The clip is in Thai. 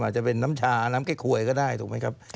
อาจจะเป็นน้ำชาน้ำใกล้ขวยก็ได้ถูกไหมครับ